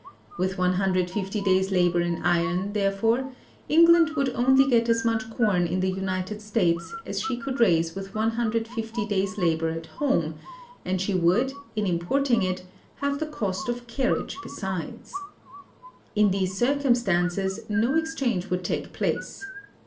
With 150 days' labor in iron, therefore, England would only get as much corn in the United States as she could raise with 150 days' labor at home; and she would, in importing it, have the cost of carriage besides. In these circumstances no exchange would take place.